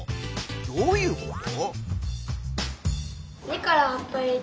どういうこと？